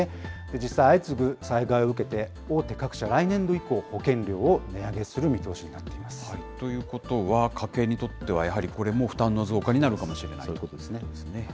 実際、相次ぐ災害を受けて、大手各社、来年度以降、保険料を値上ということは、家計にとっては、やはりこれも負担の増加になるかもしれないということですね。